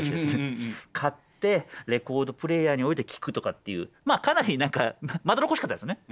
買ってレコードプレーヤーに置いて聴くとかっていうまあかなり何かまどろっこしかったですね。